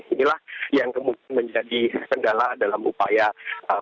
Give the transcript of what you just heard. inilah yang kemungkinan menjadi kendala dalam upaya penanganan